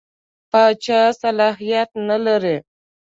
پاچا صلاحیت نه لري.